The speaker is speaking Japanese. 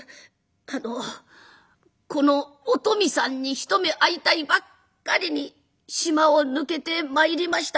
あのこのお富さんに一目会いたいばっかりに島を抜けてまいりました。